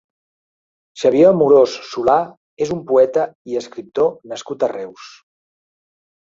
Xavier Amorós Solà és un poeta i escriptor nascut a Reus.